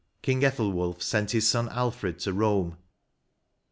King Ethelwulph sent his son Alfred to Eome, 856.